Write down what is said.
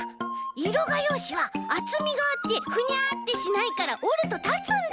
いろがようしはあつみがあってフニャッてしないからおるとたつんだ！